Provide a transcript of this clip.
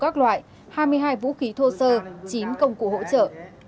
các loại hai mươi hai vũ khí thô sơ chín công cụ hỗ trợ